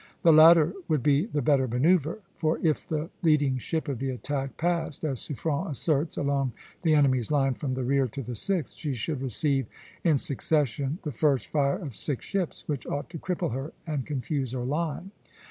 The latter would be the better manoeuvre; for if the leading ship of the attack passed, as Suffren asserts, along the enemy's line from the rear to the sixth, she should receive in succession the first fire of six ships, which ought to cripple her and confuse her line.